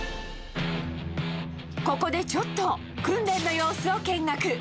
ここでちょっと訓練の様子を見学。